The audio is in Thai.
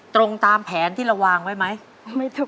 ตรงตามแผนที่เราวางไว้ไหม